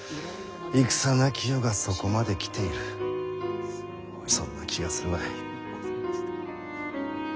戦なき世がそこまで来ているそんな気がするわい。